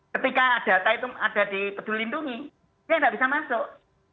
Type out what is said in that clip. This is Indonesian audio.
ketika data itu ada di peduli lindungi dia tidak bisa masuk